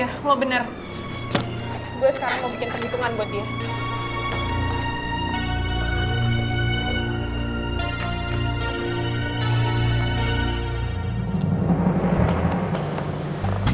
gue sekarang mau bikin kegitungan buat dia